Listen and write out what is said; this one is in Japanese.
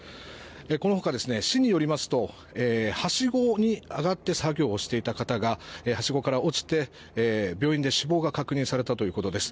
この他、市によりますとはしごに上がって作業をしていた方がはしごから落ちて病院で死亡が確認されたということです。